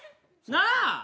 なあ！